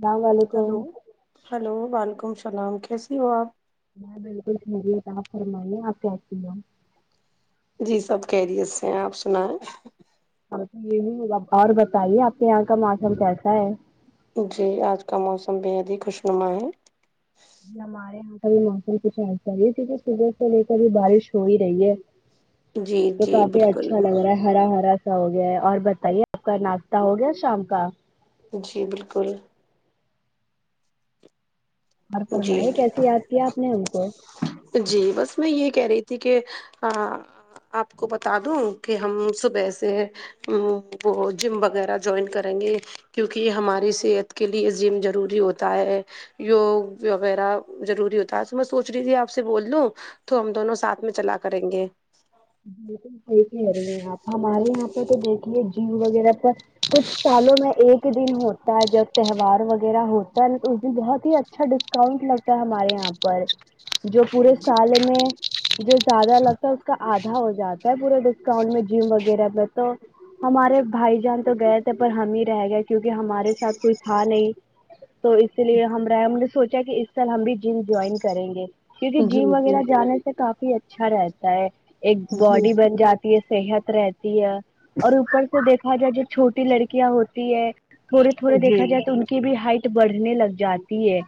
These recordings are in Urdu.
اللام علیکم ہلو ہلو وعلیکم السلام کیسی ہو آپ میں بالکل ٹھیک ہو آپ فرمائیے آپ کیسی ہو جی سب کیریت سے ہیں آپ سناؤ ہاں تو یہی مطلب اور بتائیے آپ کے یہاں کا موسم کیسا ہے جی آج کا موسم بےحد ہی خوش نما ہے نمارے بھائی یہاں کا بھی کچھ ایسا ہی ہے کیونکہ صبح سے لے کر بھی بارش ہو ہی رہی ہے جی تو جی کافی بالکل اچھا لگ رہا ہرا ہرا سا ہو گیا ہے اور بتائیے آپ کا ناشتہ ہو گیا شام کا جی بالکل اور جی فرمائیے کیسے یاد کیا آپ نے ان کو جی بس میں یہ کہہ رہی تھی کہ آ آپ کو بتا دوں کہ ہم لو صبح سے ہوں وہ جیم وغیرہ جوئن کریں گے کیونکہ یہ ہماری صحت کے لیے ضیم ضروری ہوتا ہے یوگ وغیرہ ضروری ہوتا ہے سو میں سوچ رہی تھی آپ سے بول لوں تو ہم دونوں ساتھ میں چلا کریں گے بالکل صحیح کہہ رہی ہیں آپ ہمارے یہاں پے تو دیکھیے جیم وغیرہ کا کچھ سالوں میں ایک دن ہے تا جگ تہوار وغیرہ ہوتا ہے نہ تو اس دن بہت ہی اچھا ڈسکاؤنٹ لگتا ہے ہمارے یہاں پر جو پورے سال میں جو زیادہ لگتا ہے اس کا آد ھا ہو جاتا ہے پورے ڈسکاؤنٹ میں جیم وغیرہ میں تو ہمارے بھائی جان تو گئے تھے پر ہم ہی رہ گئے کیونکہ ہمارے ساتھ کوئی تھا نہیں تو اس لیے ہم رہنگے سوچا کہ اس سال ہم بھی جیم جوئن کریں گے کیونکہ جی جیم جی وغیرہ جانے سے کافی اچھا رہتا ہے ایک جی باڈی بن جات تی ہے صحت رہتی ہے اور اوپر سے دیکھا جائے جو چھوٹی لڑکیاں ہوتی ہے تھوڑے تھوڑے جی دیکھا جائے تو ان کی بھی ہائٹ بڑھنے لگ جاتی ہے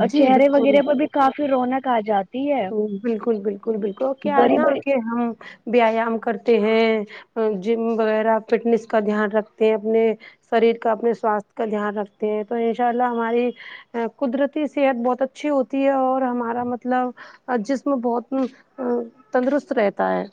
اور جی چہرے بالکل وغیرہ پر بھی کافی رونق آجات ہوں بالکل بالکل بالکل اور کیا ہے بڑی نا بڑی کہ ہم بیایام کرتے ہیں جیم وغیرہ فٹنیس کا دھیان رکھتے ہیں اپنے شریر کا اپنے سواستھ کا دھیان رکھتے ہیں تو ان شاء اللہ ہماری وہ قدرتی صحت بہت اچھی ہوتی ہے اور ہمارا مطلب اور جسم بہت ا تندرست رہتا ہے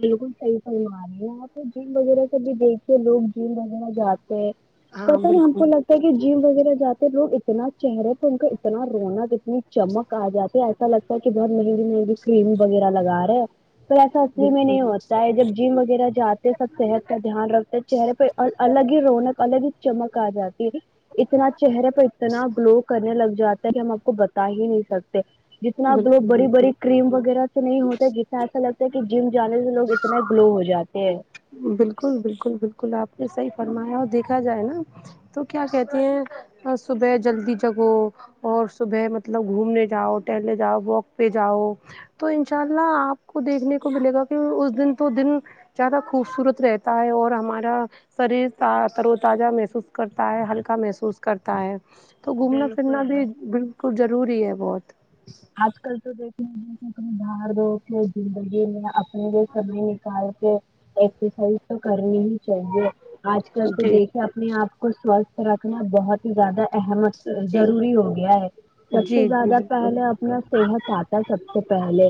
بالکل صحیح فرما رہی ہو آپ جیم وغیرہ سے بھی دیکھیے لوگ جیم وغیرہ جاتے ہیں ہاں پتا نہیں ہم بالکل کو لگ کہ جیم وغیرہ جاتے لوگ اتنا چہرے پہ ان کا اتنا رونق اتنی چمک آ جاتے ایسا لگتا ہے کہ بہت مہنگی مہنگی کریم وغیرہ لگ رہے ہیں پر ایسا میں نہیں بالکل ہوتا ہے جب جم وغیرہ جاتے سب صحت کا دھیان رکھتے چہرے پہ اور الگ ہی رونق الگ ہی چمک آ جاتی ہے اتنا چہرے پر اتنا گلو کرنے لگ جاتا ہے کہ ہم آپ کو بتا ہی نہیں سکتے جتنا گو بالکل بڑی بالکل بڑی کریم وغیرہ سے نہیں ہوتے جسے ایسا لگتا کہ جم جانے سے لوگ اتنا گلو ہو جاتے ہیں بالکل بالکل بالکل آپ نے صحیح فرمایا اور دیکھا جائے نا تو کیا کہتے ہیں صبح جلدی جگو اور صبح مطلب گھومنے جاؤ ٹہلنے جاؤ واک پہ جاؤ تو انشاء اللہ آپ کو دیکھنے کو ملے گا کہ اس دن تو دن زیادہ خوبصورت رہتا ہے اور ہمارا شریر ت تر و تازہ محسوس کرتا ہے ہلکا محسوس کرتا ہے تو گھومنا بالکل پھرنا بھی بالکل ضروری ہے بہت آج کل تو دیکھے ج اپنے [unintelligible] زندگی میں اپنے یہ سمے نکال کے ایکسرسائز تو کرنی ہی چاہیے آج کل سے جی دیکھے اپنے آپ کو سوستھ رکھنا بہت ہی زیادہ احمت جی جی ضروری ہو گیا ہے سب سے جی زیادہ بالکل پہلے اب اپنا صحت آتا ہے سب سے پہلے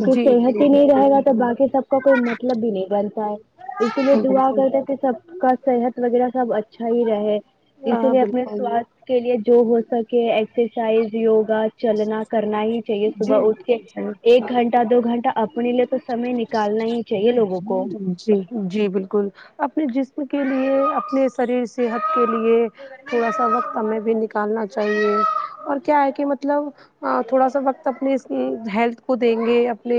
جی جی صحت ہی نہیں بالکل رہے گا تو بالکل باقی سب کا کوئی مطلب بھی نہیں بنتا ہے اسی لیے دعا بالکل کرتے تھے سب کا صحت وغیرہ سب اچھا اچھا ہی رہے اسی ہاں لیے اپنے بالکل سواستھ کے لیے جو ہو سک کہ ایکسرسائز یوگا چلنا کرنا ہی چاہیے جی صبح اٹھ کے جی ایک گھنٹہ دو گھنٹہ اپنے لیے تو سمے نکالنا ہی چاہیے لوگوں کو جی جی بالکل اپنے جسم کے لیے اپنے شریر صحت کے لیے تھوڑا سا وقت ہمیں بھی نکالنا چاہیے اور کیا ہے کہ مطلب تھوڑا سا وقت اپنے ہیلتھ کو دیں گے اپنے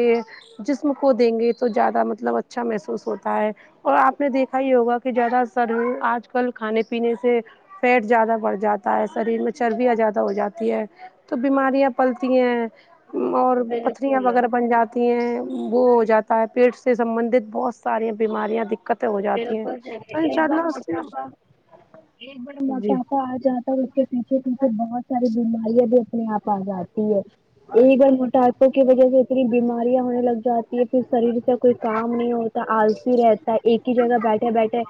جسم کو دیں گے تو زیادہ مطلب اچھا محسوس ہوتا ہے اور آپ نے دیکھا ہی ہوگا کہ زیادہ سر آج کل کھانے پینے سے فیٹ زیادہ بڑھ جاتا ہے شریر میں چربیاں زیادہ ہو جا تی ہے تو بیماریاں پلتی ہیں اور پتریاں وغیرہ بن جاتی تی ہیں وہ ہو جاتا ہے پیٹ سے سبندت بہت ساری بیماریاں دقت بالکل صحیح ہے ایک بار موٹاپا ایک بار جی موٹا پا آ جاتا ہے اس کے پیچھے پیچھے بہت ساری بیماریاں بھی اپنے آپ آ جاتی ہے یہ گ م ٹائپوں کی وجہ سے اتنی بیماریاں ہونے لگ جاتی ہے پھر شریر سے کوئی کام نہیں ہو آلسی رہتا ہے ایک جگہ بیٹھے بیٹھے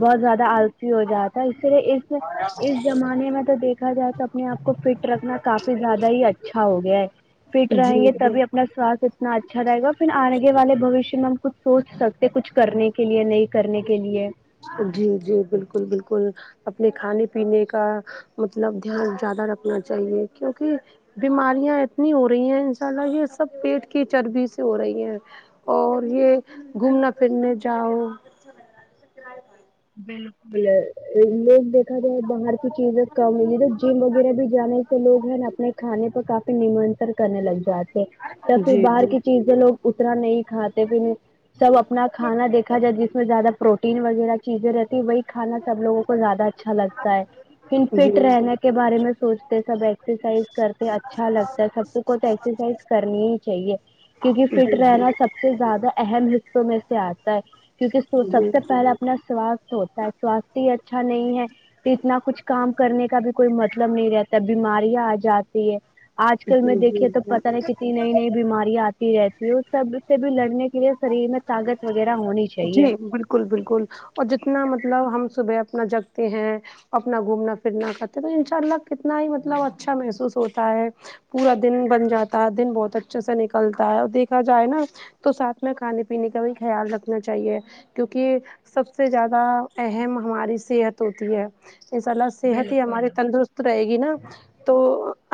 بہت زیادہ آلسی ہو جاتا اس طرح اس اس ج زمانے میں تو دیکھا جائے تو اپنے آپ کو فٹ رکھنا کافی زیادہ ہی اچھا ہو گیا ہے فٹ جی رہیں گے جی تبھی اپ نا سواستھ اتنا اچھا رہے گا پھر آگے والے بھوشیہ میں ہم کچھ سوچ سکتے ہیں کچھ کرنے کے کے لیے نہیں کرنے کے لیے جی جی بالکل بالکل اپنے کھانے پینے کا مطلب دھیان زیادہ رکھنا چاہیے کیونکہ بیماریاں اتنی ہو رہی ہیں ان شاء اللہ یہ سب پیٹ کی چربی سے ہو رہی ہیں اور یہ گھومنا پھرنے جاؤ جائے بالکل لے لوگ دیکھا جائے باہر کی چیزیں ک تو جم وغیرہ بھی جانے سے لوگ ہیں نا اپنے کھانے پر کافی نمنترن کرنے لگ جاتے یا پھر جی باہر جی کی چیز لوگ اتنا نہیں کھاتے بھی سب اپنا کھانا دیکھا جائے جس میں زیادہ پروٹین وغیرہ چیزیں رہتی وہی کھانا سب لوگوں کو زیادہ اچھا لگتا ہے پھر فٹ جی رہنے کے بارے میں سوچتے سب ایکسرسائز کرتے اچھا لگتا ہے سب کو تو ایکسرسائز کرنی ہی چاہیے کیونکہ جی فٹ رہنا جی سب س سے زیادہ اہم حصوں میں سے آتا ہے کیونکہ سب جی سے پہلا نہ سواستھ ہوتا ہے سواستھ ہی اچھا نہیں ہے اتنا کچھ کام کرنے کا بھی کوئی مطلب نہیں رہتا ہے بیماریاں آ جاتی ہے آج کل میں جی دیکھیے جی تو پتا نہیں کتنی نئی نئی بیماریاں آتی رہتی ہے اس سب سے بھی لڑنے کے لیے شریر میں طاقت وغیرہ ہونی چی جی بالکل بالکل اور جتنا مطلب ہم صبح اپنا جگتے ہیں اپنا گھومنا پھرنا کرتے ہیں تو ان شاء اللہ کتنا ہی مطلب اچھا محسوس ہوتا ہے پورا دن بن جاتا ہے دن بہت اچھے سے نکلتا ہے اور دیکھا جائے نا تو ساتھ میں کھانے پینے کا بھی خیال رکھنا چاہیے کیونکہ سب سے زیادہ اہم ہماری صحت ہوتی ہے انشااللہ صحت ہی ہماری تندرست رہے گی نا تو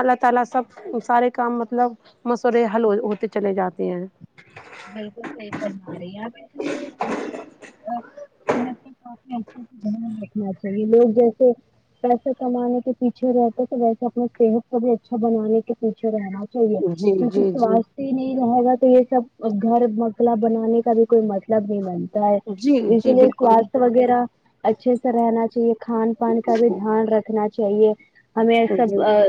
اللہ تعالی سب سارے کام مطلب مسئلے حل ہو ہوتے چلے جاتے ہیں بالکل صحیح فرما رہی ہے آ پ کافی اچھے گھر رکھنا چاہیے لوگ جیسے پیسے کمانے کے پیچھے رہتے تو ویسے اپنی صحت کو بھی اچھا بنانے کے پیچھے رہنا چاہیے جی کیونکہ جی جی سواستھ ہی نہیں رہے گا تو یہ سب گھر مکلا بنانے کا بھی کوئی م مطلب نہیں بنتا ہے جی اس جی لیے بالکل سواستھ وغیرہ اچھے سے رہنا چاہیے کھان پان کا بھی دھیان رکھنا چاہیے ہمیں جی سب آ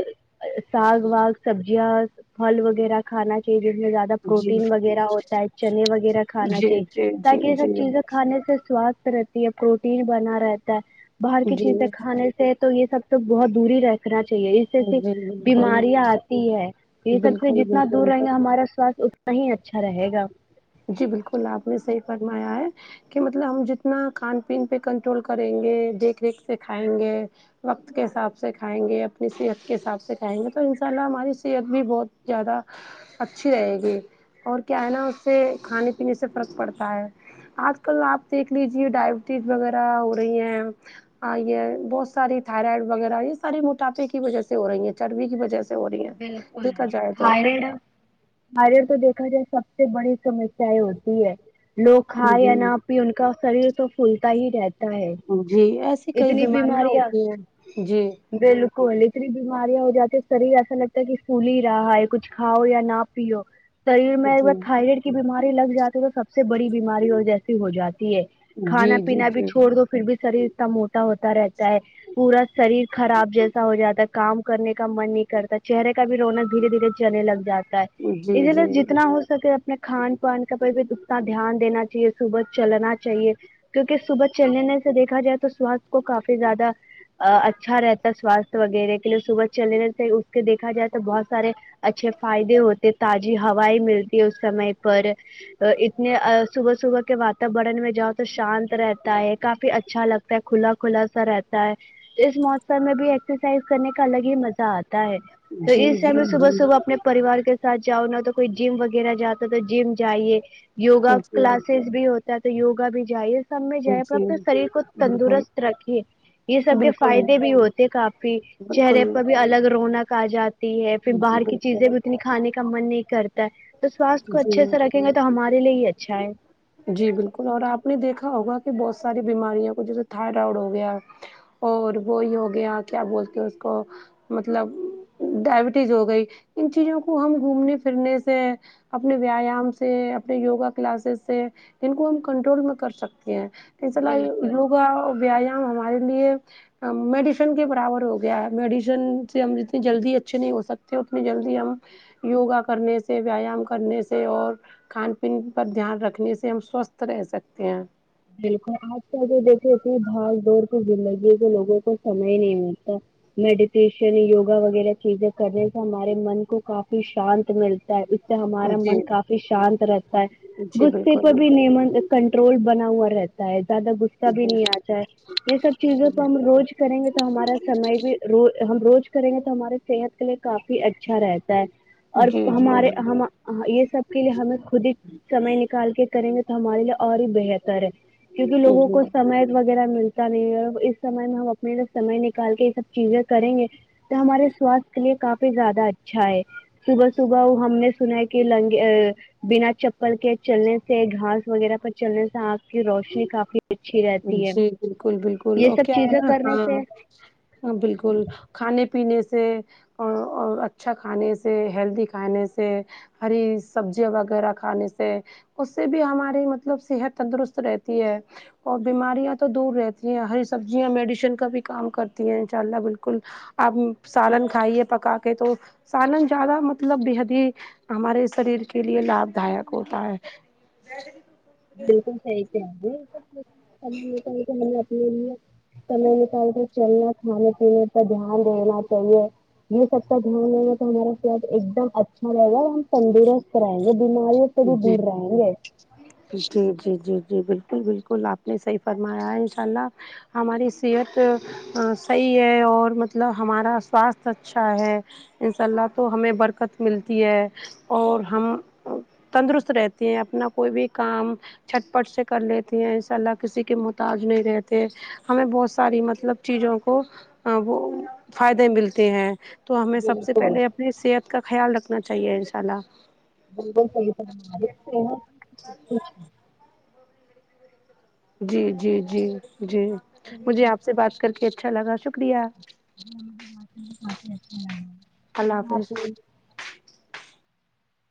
ساگ واگ سبزیاں پھل وغیرہ کھانا چاہیے جس میں زیادہ جی جی پروٹین وغیرہ ہوتا ہے چنے وغیرہ کھانا جی چاہیے جی تاکہ یہ جی جی سب چیزیں کھانے سے سواستھ رہتی ہے پروٹین بنا رہتا ہے باہر کی جی چیزیں کھانے سے تو یہ سب تو بہت دوری رکھنا چاہیے اسی سے بالکل بیماریاں آتی ہے یہ سب سے بالکل جتنا بالکل دور رہیں گا ہمارا سواستھ اتنا ہی ا اچھا رہے گا جی بالکل آپ نے صحیح فرمایا ہے کہ مطلب ہم جتنا کھان پین پہ کنٹرول کریں گے دیکھ ریکھ سے کھائیں گے وقت کے حساب سے کھائیں گے اپنی صحت کے حساب سے کھائیں گے تو ان شاء اللہ ہماری صحت بھی بہت زیادہ اچھی رہے گی اور کیا ہے نا اس سے کھانے پینے سے فرق پڑتا ہے آج کل آپ دیکھ لیجیے ڈائبٹیز وغیرہ ہو رہی ہیں آ یہ بہت ساری تھائرائڈ وغیرہ یہ سارے موٹاپے کی وجہ سے ہو رہی ہیں چربی کی وجہ سے ہو رہی ہیں بلکل دیکھا جائے تو تھائیریڈ تھائیرڈ تو دیکھا جائے سب سے بڑی سمسیا ہوتی ہے لوگ کھائے یا جی نہ ان کا شریر تو پھولتا ہی رہ جی ایسی کئی بیماریاں ہوتی ہیں جی بلکل اتنی بیماریاں ہو جاتی شریر تو لگتا ہے کہ پھول ہی رہا ہے کچھ کھاؤ یا نہ پیو شریر میں اگر جی تہیرویڈ کی بیماری لگ جاتی ہے تو سب سے بڑی بیماری وہ جیسی ہو جاتی ہے جی کھانا پینا بھی جی چھوڑ دو پھر بھی شریر انتا موٹا ہوتا رہتا ہے پورا شریر خراب جیسا ہو جاتا ہے کام کرنے کا من نہیں کرتا چہرے کا بھی رونق دھیرے دھیرے جانے لگ جاتا ہے جی جی اسی جی لیے جتنا ہو سکے اپنے کھان پانی کا تو بھی اتنا دھیان دینا چاہیے صبح چلنا چاہیے کیونکہ صبح چل نے سے دیکھا جائے تو سواستھ کو کافی زیادہ ا اچھا رہتا ہے سواستھ وغیرہ کے لیے صبح چلنے سے اس کے دیکھا جائے تو بہت سارے اچھے فائدے ہوتے تازی ہوائ ملتی ہے اس سمے پر ا اتنے آ صبح صبح کے واتاورن میں جاؤ تو شانت رہتا ہے کافی اچھا لگتا ہے کھلا کھلا سا رہتا ہے اس موسم میں بھی ایکسرسائز کرنے کا الگ ہی مزہ آتا ہے تو جی اس سے جی ہمیں صبح صبح اپنے پریوار کے ساتھ جاؤ نہ تو کوئی جیم وغیرہ جاتا ہے تو جیم جائیے یوگا جی کلاسز بھی ہوتا ہے تو یوگا بھی جایے سب میں جی جائے گا جی پھر شریر کو بالکل تندرست رکھیے یہ سب کے بالکل فائدے بھی ہوتے کافی چہرے بالکل پر بھی الگ رونق آجات تی ہے پھر جی باہر کی چیزیں بالکل بھی اتنی کھانے کا من نہیں کرتا ہے تو سواستھ کو جی اچھے سے رکھ ھیں گے تو ہمارے لیے ہی اچھا ہے جی بلکل اور آپ نے دیکھا ہوگا کہ بہت ساری بیماریاوں کو جیسے تھائرائڈ ہو گیا اور وہی ہو گیا کیا بولتے ہیں اس کو مطلب ڈائبٹیز ہو گئی ان چیزوں کو ہم گھومنے پھرنے سے اپنے ویایام سے اپنے یوگا کلاسز سے ان کو ہم کنٹرول میں کر سکتے ہیں اسلاحی یوگا ویایا وہ ہمارے لیے آ میڈیشن کے برابر ہو گیا ہے میڈیشن سے ہم اتنی جلدی اچھے نہیں ہو سکتے اتنی جلدی ہم یوگا کرنے سے ویایام کرنے سے اور کھان پین پر دھیان رکھ نے سے ہم سوستھ رہ سکتے ہیں بلکل آج کل جو دیکھے اتنے بھاگ دوڑ کی زندگی ہے کے لوگوں کو سمے ہی نہیں ملتا میڈیٹیشن یوگا وغیرہ چیزیں کرنے سے ہمارے من کو کافی شانت ملتا ہے اس سے ہمارا من جی کافی شانت رہتا ہے جی غصے پر بالکل بھی [unintelligible] کنٹرول بنا ہوا رہتا ہے زیادہ غصہ بھی نہیں جی آتا ہے یہ سب چیزوں جی۔ کو ہم روز کریں گے تو ہمارا سمے بھی رو ہم روز کریں گے تو ہماری صحت کے لیے کافی اچھا رہتا ہے اور جی جی ہمارے جی ہما یہ سب کے لیے ہمیں خود ہی سمے نکال کے کریں گے ہمارے لیے اور ہی بہتر ہے کیونکہ لوگوں جی کو سمے وغیرہ ملتا نہیں ہے اس سمے میں ہم اپنے لئیے سمے نکال کے یہ سب چیزیں کریں گے تو ہمارے سواستھ کے لیے کافی زیادہ اچھا ہے صبح صبح وہ ہم نے سنا کہ لنگ اے بنا چپل کے چلنے سے گھاس وغیرہ پر چلنے سے آنکھ کی روشنی کافی اچھی رہتی ہے جی بلکل بلکل یہ او سب کیا ہے چیزیں نا کرنے ہاں سے ہاں بلکل کھانے پینے سے او اور اچھا کھانے سے ہیلدی کھانے سے ہری سبزیاں وغیرہ کھانے سے اس سے بھی ہماری مطلب صحت تندرست رہتی ہے اور بیماریاں تو دور رہتی ہیں ہری سبزیاں میڈیشن کا بھی کام کرتی ہیں انشاء اللہ بلکل آپ سالن کھائیے پکا کے تو سالن زیادہ مطلب بےحد ہی ہمارے شریر کے کیلے لاب د ھایک ہوتا ہے بالکلصحیح کہرہی [unintelligible] ہم نے اپنے لیے [unintelligible] میں نکال کے چلنا کھانے پینے پر دھیان دینا چاہیے یہ سب کا دھیان رہے گا تو ہمارا سد ایک دم اچھا رہے گا اور ہم تندرست رہیں گے بیماریوں سے بھی جی دور رہیں گے جی جی جی جی بالکل بالکل آپ نے صحیح فرمایا ہے انشاء اللہ ہماری صحت صحیح ہے اور مطلب ہمارا سواستھ اچھا ہے ان شاء اللہ تو ہمیں برکت ملتی ہے اور ہم تندرست رہتے ہیں اپنا کوئی بھی کام چھٹ پٹ سے کر لیتی ہیں انساء اللہ کسی کے محتاج نہیں رہتے ہمیں بہت ساری مطلب چیزوں کو وہ فائدے ملتے ہیں تو ہمیں سب سے بالکل پہلے اپنی صحت کا خیال رکھنا چاہیے انشاء اللہ بالکل صحیح فرما رہی ہے [unintelligible] جی جی جی جی مجھے آپ سے بات کر کے اچھا لگا شکریہ جی [unintelligible] میں کافی اچھا اللہ حافظ لگا [unintelligible]